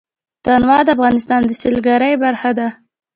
تنوع د افغانستان د سیلګرۍ برخه ده.